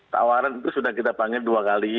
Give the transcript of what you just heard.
tawaran itu sudah kita panggil dua kali